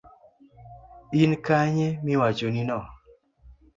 In kanye miwachonino?